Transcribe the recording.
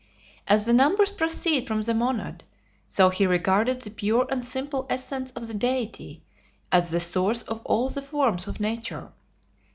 As the numbers proceed from the monad, so he regarded the pure and simple essence of the Deity as the source of all the forms of nature.